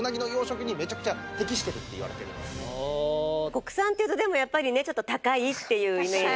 国産っていうとでもやっぱりねちょっと高いっていうイメージで。